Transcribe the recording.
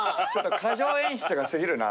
過剰演出が過ぎるな。